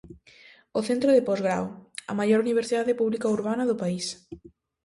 O Centro de Posgrao, a maior universidade pública urbana do país.